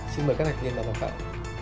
xin mời các đặc viên bàn giám khảo